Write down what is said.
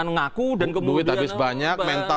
ngaku dan kemudian